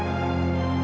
gak ada apa apa